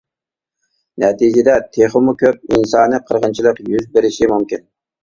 نەتىجىدە تېخىمۇ كۆپ ئىنسانى قىرغىنچىلىق يۈز بېرىشى مۇمكىن.